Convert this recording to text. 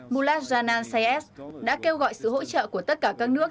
mullah janan saez đã kêu gọi sự hỗ trợ của tất cả các nước